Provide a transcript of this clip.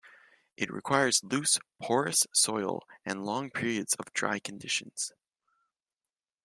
It requires loose, porous soil and long periods of dry conditions.